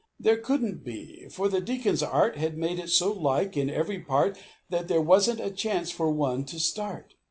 There couldn't be for the Deacon's art Had made it so like in every part That there wasn't a chance for one to start.